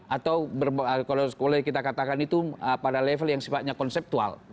atau kalau kita katakan itu pada level yang sifatnya konseptual